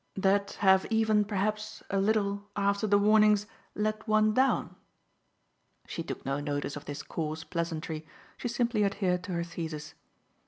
"That have even perhaps a little, after the warnings, let one down?" She took no notice of this coarse pleasantry, she simply adhered to her thesis.